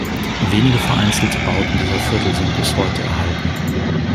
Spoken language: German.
Wenige vereinzelte Bauten dieser Viertel sind bis heute erhalten.